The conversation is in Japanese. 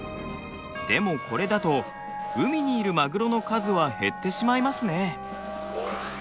でもこれだと海にいるマグロの数は減ってしまいますね。